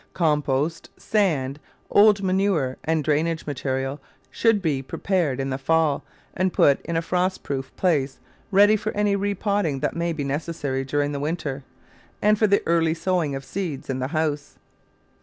Compost, sand, old manure, and drainage material should be prepared in the fall and put in a frost proof place ready for any repotting that may be necessary during the winter, and for the early sowing of seeds in the house.